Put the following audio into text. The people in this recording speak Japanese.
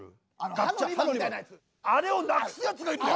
ガッチャンあれをなくすやつがいるんだよ。